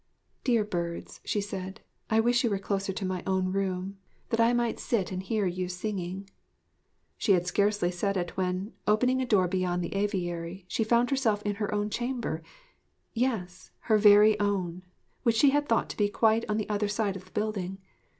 'Dear birds,' she said, 'I wish you were closer to my own room, that I might sit and hear you singing.' She had scarcely said it when, opening a door beyond the aviary, she found herself in her own chamber yes, her very own! which she had thought to be quite on the other side of the building.